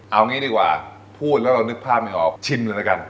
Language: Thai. เอางี้ดีกว่าพูดแล้วเรานึกภาพไม่ออกชิมเลยละกัน